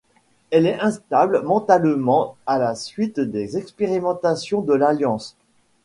Elle est instable mentalement à la suite des expérimentations de l'Alliance.